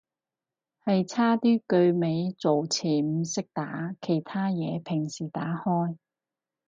係差啲句末助詞唔識打，其他嘢平時打開